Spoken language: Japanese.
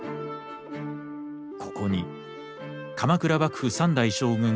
ここに鎌倉幕府三代将軍